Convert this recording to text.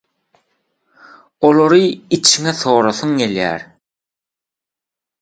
Olary içiňe sorasyň gelýär.